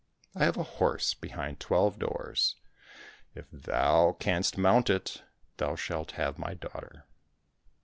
I have a horse behind twelve doors ; if thou canst mount it, thou shalt have my daughter."